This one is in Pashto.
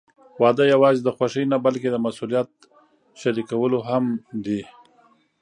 واده یوازې د خوښۍ نه، بلکې د مسوولیتونو شریکول هم دي.